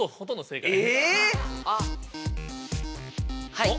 はい！